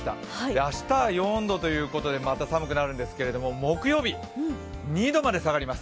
明日は４度ということでまた寒くなるんですけれども木曜日、２度まで下がります。